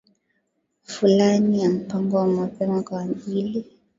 fulani ya mpango wa mapema kwa ajili